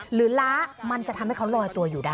ล้ามันจะทำให้เขาลอยตัวอยู่ได้